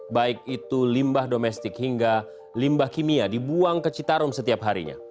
baik itu limbah domestik hingga limbah kimia dibuang ke citarum setiap harinya